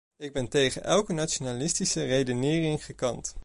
Ik ben tegen elke nationalistische redenering gekant.